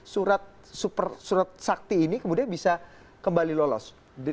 surat sakti ini kemudian bisa kembali lolos